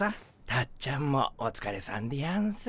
たっちゃんもおつかれさんでやんす。